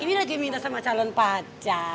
ini lagi minta sama calon pajak